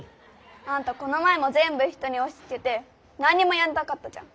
あんたこの前もぜんぶ人におしつけてなんにもやらなかったじゃん。